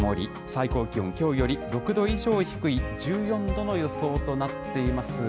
最高気温きょうより６度以上低い、１４度の予想となっています。